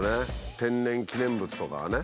天然記念物とかね